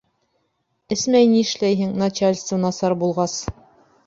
Эсмәй ни эшләйһең, начальство насар булғас.